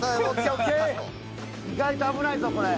意外と危ないぞこれ。